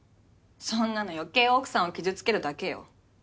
そんなの余計奥さんを傷つけるだけよ。